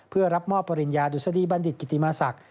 เพื่อรับมอบปริญญาดุษฎีบัณฑิตกิติมาศักดิ